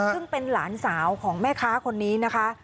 ซึ่งเป็นหลานสาวของแม่ค้าคนนี้นะคะ